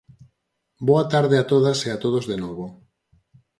Boa tarde a todas e a todos de novo.